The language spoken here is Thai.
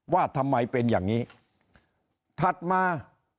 ว่าทำไมเป็นอย่างนี้ถัดมา